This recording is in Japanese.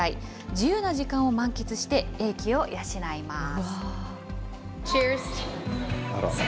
自由な時間を満喫して、英気を養います。